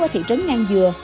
ở thị trấn ngang dừa